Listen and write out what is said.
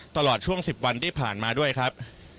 ตลอดช่วง๑๐วันที่ผ่านมาด้วยครับ